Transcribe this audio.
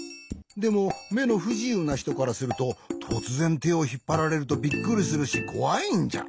でもめのふじゆうなひとからするととつぜんてをひっぱられるとびっくりするしこわいんじゃ。